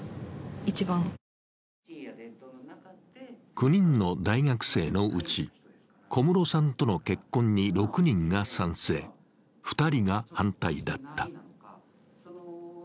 ９人の大学生のうち小室さんとの結婚に６人が賛成、２人が反対だった。